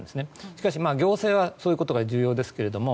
しかし行政はそういうことが重要ですけれども